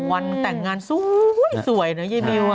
วันแต่งงานสวยสวยใช่ไหมมิว